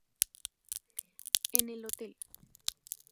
En el hotel.